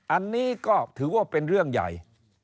อันนี้ก็ถือว่าเป็นเรื่องใหญ่